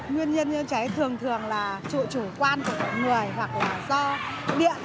nguyên nhân như cháy thường thường là trụ chủ quan của người hoặc là do điện